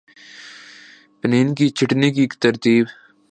پن ین کی چھٹنی کی ترتیب